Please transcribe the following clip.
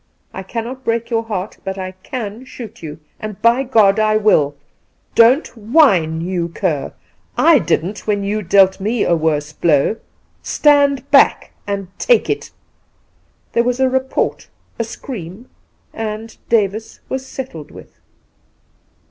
I cannot break your heart; but I can shoot you, and, by God, I will! Don't. whine, you cur —/ didn't, when you dealt me a worse blqw, Stand back and take it," There was a report, a scream, and — Davis was settled with.'